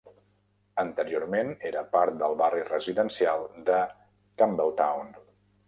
Anteriorment era part del barri residencial de Campbelltown.